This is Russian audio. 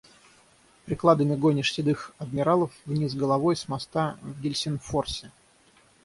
Прикладами гонишь седых адмиралов вниз головой с моста в Гельсингфорсе.